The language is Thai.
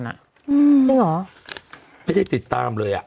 กลัวอาจไม่ได้ติดตามเลย